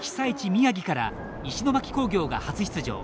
宮城から石巻工業が初出場。